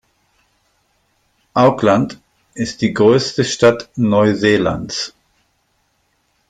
Auckland ist die größte Stadt Neuseelands.